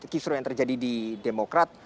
kisru yang terjadi di demokrat